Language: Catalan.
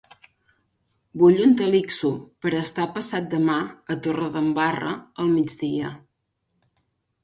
Vull un Talixo per estar passat demà a Torredembarra al migdia.